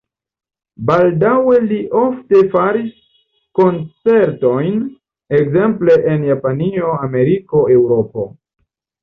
Baldaŭe li ofte faris koncertojn, ekzemple en Japanio, Ameriko, Eŭropo.